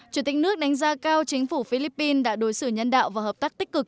chủ tịch nước đánh giá cao chính phủ philippines đã đối xử nhân đạo và hợp tác tích cực